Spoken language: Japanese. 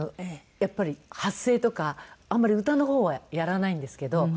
やっぱり発声とかあんまり歌の方はやらないんですけど。